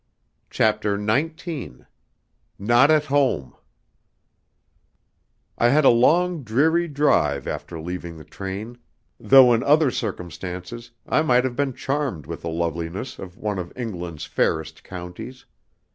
CHAPTER XIX "Not at Home" I had a long, dreary drive after leaving the train, though in other circumstances I might have been charmed with the loveliness of one of England's fairest counties.